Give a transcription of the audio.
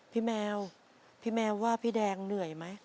พี่แมวพี่แมวว่าพี่แดงเหนื่อยไหม